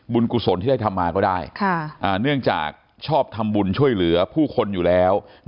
กุศลที่ได้ทำมาก็ได้เนื่องจากชอบทำบุญช่วยเหลือผู้คนอยู่แล้ว